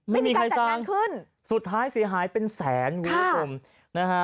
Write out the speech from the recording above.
ไม่มีการจัดงานขึ้นสุดท้ายเสียหายเป็นแสนวิทยุคมนะฮะ